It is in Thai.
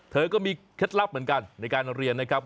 เธอก็มีเคล็ดลับเหมือนกันในการเรียนนะครับ